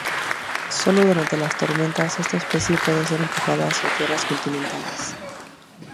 Solo durante las tormentas esta especie puede ser empujada hacia tierras continentales.